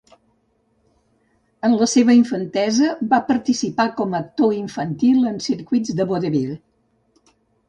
En la seva infantesa va participar com a actor infantil en circuits de vodevil.